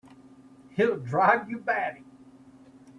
He'll drive you batty!